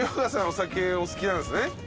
お酒お好きなんすね？